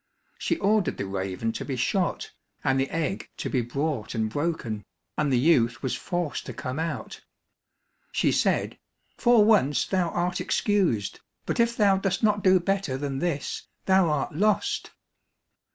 She ordered the raven to be shot, and the egg to be brought and broken, and the youth was forced to come out. She said, "For once thou art excused, but if thou dost not do better than this, thou art lost!"